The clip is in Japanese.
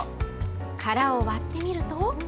殻を割ってみると。